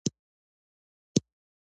نه یې مراکش په عثمانیانو کې.